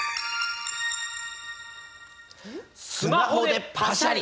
「スマホでパシャリ！